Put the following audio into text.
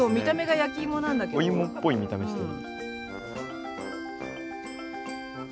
お芋っぽい見た目してる。